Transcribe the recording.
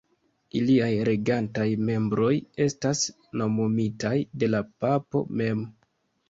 Iliaj regantaj membroj estas nomumitaj de la papo mem.